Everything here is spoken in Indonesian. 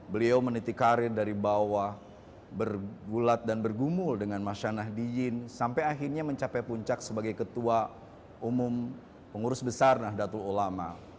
beliau menitik karir dari bawah bergulat dan bergumul dengan masyana diyin sampai akhirnya mencapai puncak sebagai ketua umum pengurus besar nahdlatul ulama